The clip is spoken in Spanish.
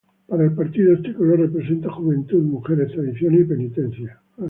Para el partido, este color representa "juventud, mujeres, tradiciones y penitencia.